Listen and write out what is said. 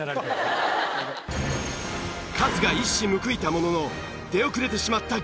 カズが一矢報いたものの出遅れてしまった芸人チーム。